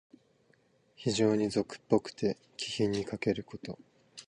非情に俗っぽくて、気品にかけること。